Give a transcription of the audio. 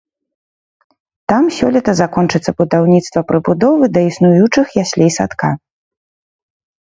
Там сёлета закончыцца будаўніцтва прыбудовы да існуючых яслей-садка.